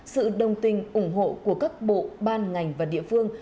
sự đồng tình ủng hộ của các bộ ban ngành và địa phương